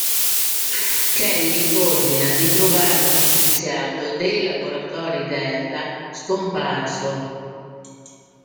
Kelly ordina di trovare uno scienziato dei Laboratori Delta, scomparso.